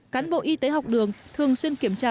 cán bộ y tế học đường thường xuyên kiểm tra